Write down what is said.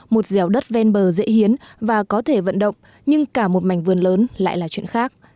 một dẻo đất ven bờ dễ hiến và có thể vận động nhưng cả một mảnh vườn lớn lại là chuyện khác